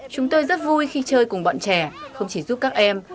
chúng tôi rất vui khi chơi cùng bọn trẻ không chỉ giúp các em